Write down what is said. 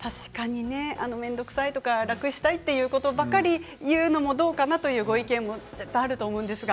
面倒だとか楽をしたいということばかり言うのもどうかなというご意見があると思いますが。